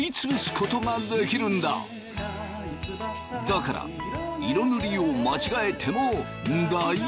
だから色塗りを間違えても大丈夫。